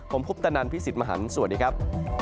ผมคุปตะนันพี่สิทธิ์มหันฯสวัสดีครับ